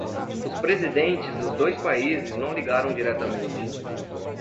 Os presidentes dos dois países não ligaram diretamente.